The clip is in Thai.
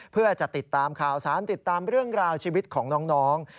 เพื่อจะติดตามข่าวสารติดตามเรื่องราวชีวิตของน้อง